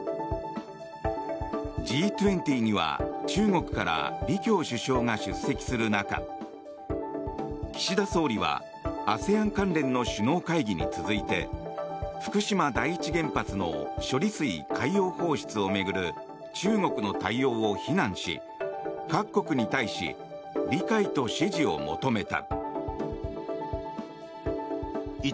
Ｇ２０には中国から李強首相が出席する中岸田総理はＡＳＥＡＮ関連の首脳会議に続いて福島第一原発の処理水海洋放出を巡る中国の対応を非難し各国に対し理解と支持を求めた。